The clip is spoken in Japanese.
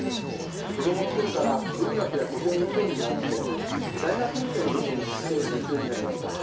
子どものころから文学や古典に興味があって大学院生の時に知って夢中になりました。